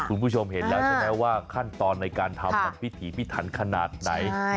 คุณผู้ชมเห็นแล้วใช่ไหมว่าขั้นตอนในการทำมันพิถีพิถันขนาดไหน